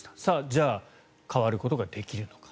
じゃあ変わることができるのか。